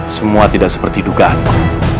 semua tidak seperti dugaanku